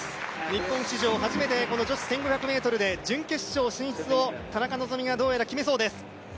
日本史上初めて女子１５００ｍで準決勝進出を田中希実がどうやら決めそうです。